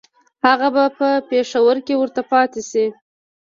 هغه به په پېښور کې ورته پاته شي.